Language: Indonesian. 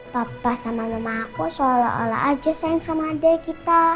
papa sama mama aku seolah olah aja sayang sama adik kita